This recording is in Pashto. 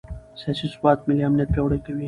سیاسي ثبات ملي امنیت پیاوړی کوي